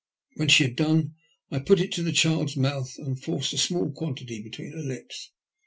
When she had done so I put it to the child's mouth and forced a small quantity between her lips.